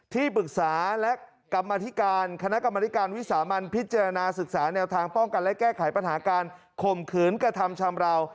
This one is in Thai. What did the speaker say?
ที่ปรึกษาและกรรมธิการคณะกรรมนิการวิสามันพิจารณาศึกษาแนวทางป้องกันและแก้ไขปัญหาการข่มขืนกระทำชำราว